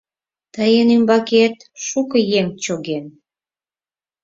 — Тыйын ӱмбакет шуко еҥ чоген.